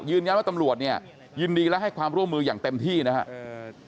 ยืนยันว่าตำรวจยินดีแล้วให้ความร่วมมืออย่างเต็มที่นะครับ